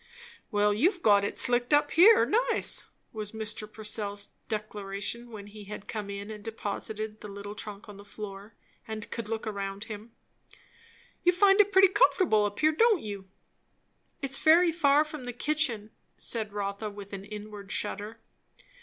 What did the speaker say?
"Well, you've got it slicked up here, nice!" was Mr. Purcell's declaration when he had come in and deposited the little trunk on the floor, and could look around him. "You find it pretty comfortable up here, don't you." "It's very far from the kitchen " said Rotha with an inward shudder.